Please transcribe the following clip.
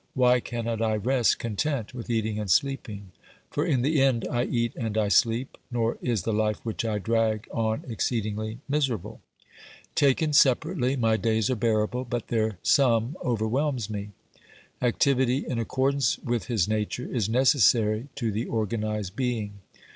Why cannot I rest content with eating and sleeping? For in the end I eat and I sleep, nor is the life which I drag on exceedingly miserable. Taken separately, my days are bearable, but their sum overwhelms me. Activity in accordance with his nature is necessary to the organised being.